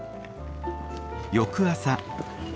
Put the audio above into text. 翌朝。